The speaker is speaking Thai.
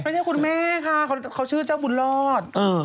ไม่ใช่คุณแม่ค่ะเขาชื่อเจ้าบุญลอด